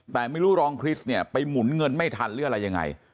แต่ไม่รู้รองคริสต์เนี่ยไปหมุนเงินไม่ทันหรืออะไรยังไง